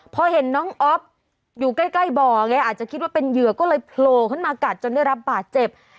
พอเห็นน้องอ๊อฟอยู่ใกล้บ่อไงอาจจะคิดว่าเป็นเหยื่อก็เลยโผล่ขึ้นมากัดจนได้รับบาดเจ็บ